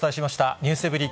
ｎｅｗｓｅｖｅｒｙ．